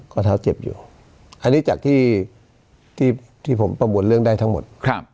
ข้อเท้าเจ็บอยู่อันนี้จากที่ผมประมวลเรื่องได้ทั้งหมด